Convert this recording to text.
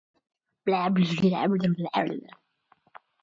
På det breda bergtaket ligga skogar och åkerfält och en och annan ljunghed.